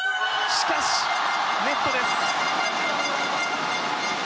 しかしネットです。